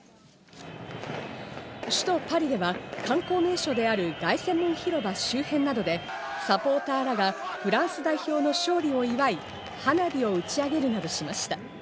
首都パリでは観光名所である凱旋門広場周辺などでサポーターらがフランス代表の勝利を祝い、花火を打ち上げるなどしました。